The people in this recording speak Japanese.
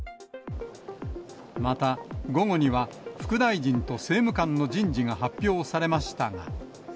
また、午後には、副大臣と政務官の人事が発表されましたが。